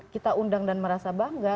kita undang dan merasa bangga